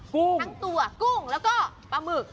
ทั้งตัวกุ้งแล้วก็ปลาหมึก